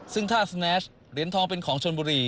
ซึ่งท่าสแนชเหรียญทองเป็นของชนบุรี